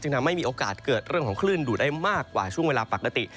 ทำให้มีโอกาสเกิดเรื่องของคลื่นดูดได้มากกว่าช่วงเวลาปกติ